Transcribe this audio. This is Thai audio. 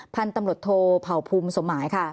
พันธุ์ตำรวจโทผ่าพุมสมัยค่ะ